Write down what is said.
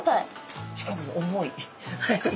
しかも重い。